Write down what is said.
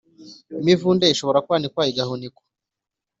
imivunde ishobora kwanikwa igahunikwa